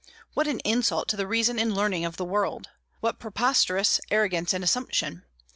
What an insult to the reason and learning of the world! What preposterous arrogance and assumption!